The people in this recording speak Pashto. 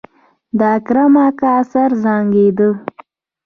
د اکرم اکا سر زانګېده.